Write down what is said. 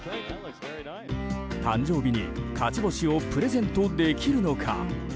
誕生日に勝ち星をプレゼントできるのか。